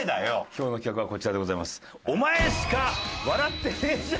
今日の企画はこちらでございます。